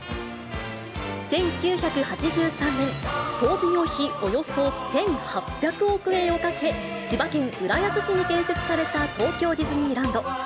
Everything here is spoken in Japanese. １９８３年、総事業費およそ１８００億円をかけて、千葉県浦安市に建設された東京ディズニーランド。